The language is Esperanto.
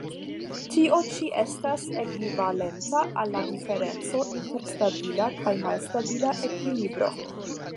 Tio ĉi estas ekvivalenta al la diferenco inter stabila kaj malstabila ekvilibro.